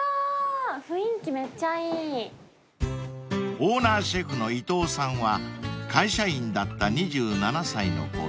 ［オーナーシェフの伊藤さんは会社員だった２７歳のころ